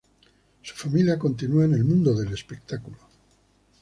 Su familia continúa en el mundo del espectáculo.